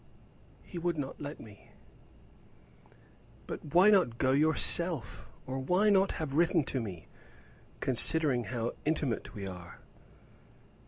"He would not let me." "But why not go yourself? or why not have written to me, considering how intimate we are?"